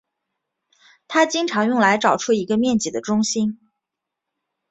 它经常用来找出一个面积的中心。